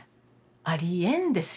ありえんですよね。